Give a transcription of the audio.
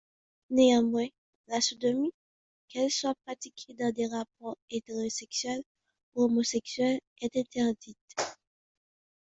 Néanmoins, la sodomie, qu'elle soit pratiquée dans des rapports hétérosexuels ou homosexuels est interdite.